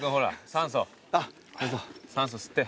酸素吸って。